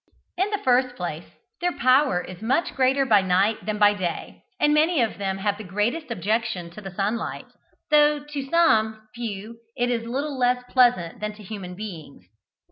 In the first place, their power is much greater by night than by day, and many of them have the greatest objection to the sunlight, though to some few it is little less pleasant than to human beings.